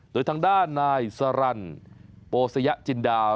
โดยทางด้านนายสรรโปสยจินดา